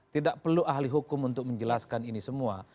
tidak perlu ahli hukum untuk menjelaskan ini semua